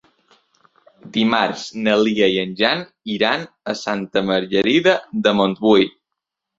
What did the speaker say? Dimarts na Lia i en Jan iran a Santa Margarida de Montbui.